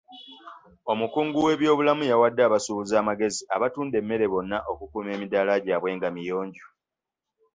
Omukungu w'ebyobulamu yawadde abasuubuzi amagezi abatunda emmere bonna okukuuma emidaala gyabwe nga miyonjo.